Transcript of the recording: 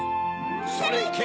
・それいけ！